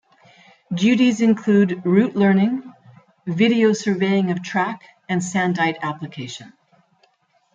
Duties include route learning, video surveying of track and sandite application.